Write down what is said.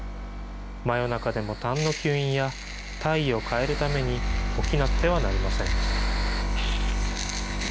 真夜中でもたんの吸引や、体位を変えるために、起きなくてはなりません。